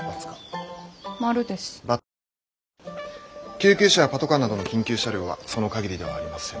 救急車やパトカーなどの緊急車両はその限りではありません。